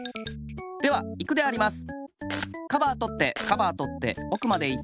ではいくであります。